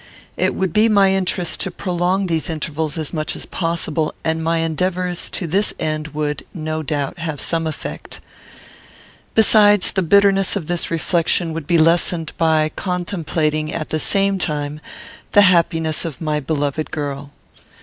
It would be my interest to prolong these intervals as much as possible, and my endeavours to this end would, no doubt, have some effect. Besides, the bitterness of this reflection would be lessened by contemplating, at the same time, the happiness of my beloved girl.